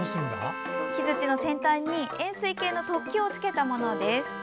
木づちの先端に円すい形の突起を付けたものです。